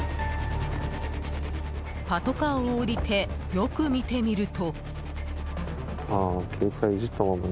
パトカーを降りてよく見てみると。